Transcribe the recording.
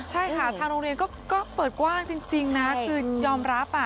ใช่ค่ะทางโรงเรียนก็เปิดกว้างจริงนะคือยอมรับ